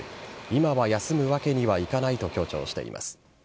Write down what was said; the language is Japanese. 今は休むわけにはいかないと強調しています。